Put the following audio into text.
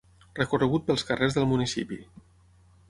Recorregut pels carrers del municipi.